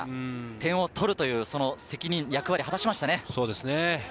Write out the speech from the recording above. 点を取るという責任、役割を果たしましたね。